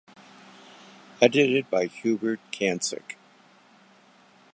Edited by Hubert Cancik.